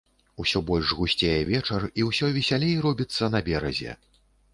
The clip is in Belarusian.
Усё больш гусцее вечар, і ўсё весялей робіцца на беразе.